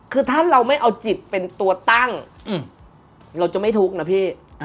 คือถ้าเราไม่เอาจิตเป็นตัวตั้งเราจะไม่ทุกข์นะพี่